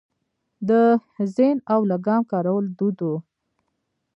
د زین او لګام کارول دود و